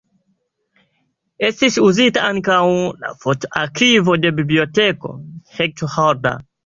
Estis uzita ankaŭ la foto-arkivo de Biblioteko Hector Hodler.